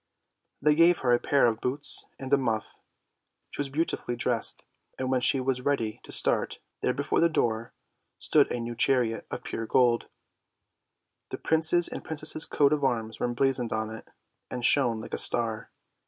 They gave her a pair of boots and a muff. She was beauti fully dressed, and when she was ready to start, there before the door stood a new chariot of pure gold. The Prince's and Princess's coat of arms were emblazoned on it, and shone like a star.